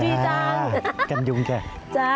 จ้าจันยุงจ้ะ